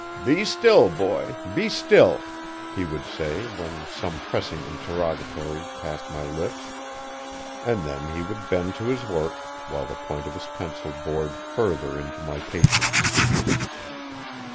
'Be still, boy be still,' he would say when some pressing interrogatory passed my lips, and then he would bend to his work while the point of his pencil bored further into my patience.